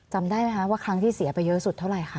จำได้ไหมคะว่าครั้งที่เสียไปเยอะสุดเท่าไหร่คะ